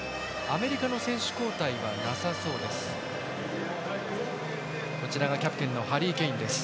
アメリカの選手交代はなさそうです。